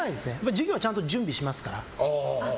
授業はちゃんと準備しますから。